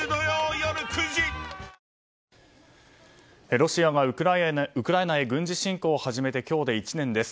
ロシアがウクライナへ軍事侵攻を始めて今日で１年です。